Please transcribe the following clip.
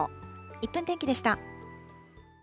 １分天気でした。